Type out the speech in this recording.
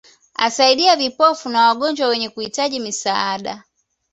Asaidia vipofu na wagonjwa wenye kuhitaji misaada